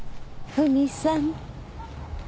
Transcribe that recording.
フミさん。